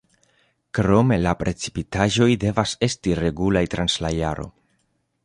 Krome la precipitaĵoj devas esti regulaj trans la jaro.